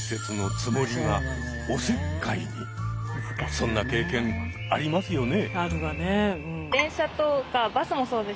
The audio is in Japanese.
そんな経験ありますよね？